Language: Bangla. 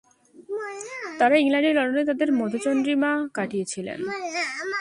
তাঁরা ইংল্যান্ডের লন্ডনে তাঁদের মধুচন্দ্রিমাকাটিয়েছিলেন।